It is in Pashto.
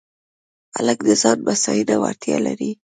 هلک د ځان بساینې وړتیا لري.